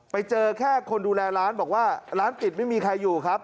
ไปเจอแค่คนดูแลร้านบอกว่าร้านปิดไม่มีใครอยู่ครับ